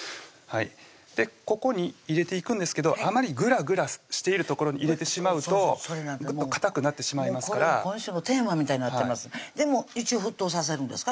ここに入れていくんですけどあまりグラグラしているところに入れてしまうとグッとかたくなってしまいますから今週のテーマみたいになってますでも一応沸騰させるんですか？